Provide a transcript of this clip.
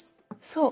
そう。